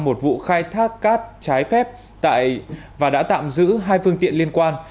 một vụ khai thác cát trái phép và đã tạm giữ hai phương tiện liên quan